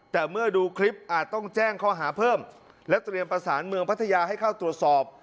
แต่เมื่อดูคลิปอาจต้องแจ้งข้อหาเพิ่มและเตรียมประสานเมืองพัทยาให้เข้าตรวจสอบ